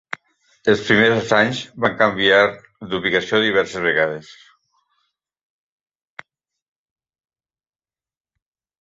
Els primers anys van canviar d'ubicació diverses vegades.